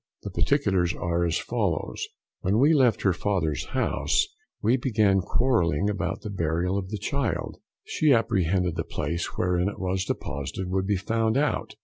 The particulars are as follows: When we left her father's house, we began quarrelling about the burial of the child: she apprehended the place wherein it was deposited would be found out.